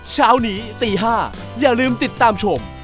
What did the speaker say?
เช้านี้ตี๕อย่าลืมติดตามชม